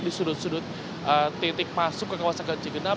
di sudut sudut titik masuk ke kawasan ganjigenap